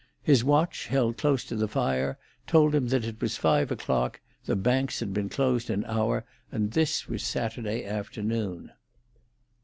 His watch, held close to the fire, told him that it was five o'clock; the banks had been closed an hour, and this was Saturday afternoon.